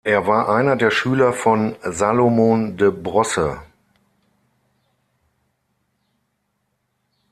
Er war einer der Schüler von Salomon de Brosse.